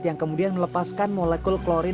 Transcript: yang kemudian melepaskan molekul klorin